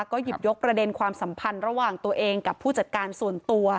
ก็หยิบยกประเด็นความสัมพันธ์ระหว่างตัวเองกับผู้จัดการส่วนตัว